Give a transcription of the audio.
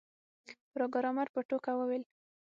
پروګرامر په ټوکه وویل